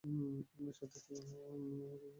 আপনার সাথে আমার বিয়ে হইসিলো?